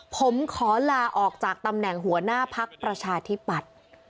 ผมขอลาออกจากตำแหน่งหัวหน้าพักประชาธิปัตย์